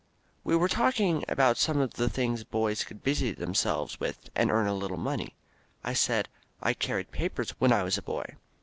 We were talking about some of the things boys could busy themselves with and earn a little money. I said, "I carried papers when I was a boy."